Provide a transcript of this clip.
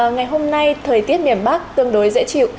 ngày hôm nay thời tiết miền bắc tương đối dễ chịu